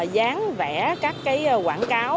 gián vẽ các quảng cáo